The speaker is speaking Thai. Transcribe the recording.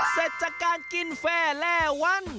เสร็จจากการกินแฟแร่วัน